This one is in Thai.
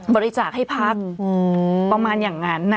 บริจาคให้พักประมาณอย่างนั้น